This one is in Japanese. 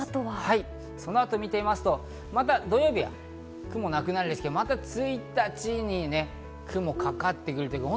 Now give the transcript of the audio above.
その後を見てみますと、また土曜日、雲がなくなるんですけど、また１日に雲がかかってくる。